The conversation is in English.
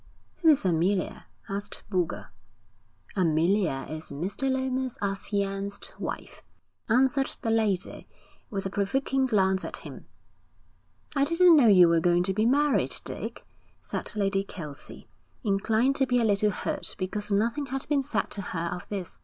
'Who is Amelia?' asked Boulger. 'Amelia is Mr. Lomas' affianced wife,' answered the lady, with a provoking glance at him. 'I didn't know you were going to be married, Dick,' said Lady Kelsey, inclined to be a little hurt because nothing had been said to her of this.